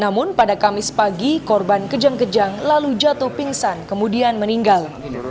namun pada kamis pagi korban kejang kejang lalu jatuh pingsan kemudian meninggal